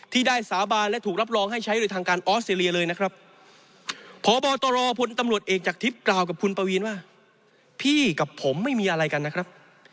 ที่ได้สาบานและถูกรับรองให้ใช้โดยทางการออสเตรียเลยนะครับ